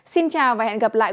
xin chào và hẹn gặp lại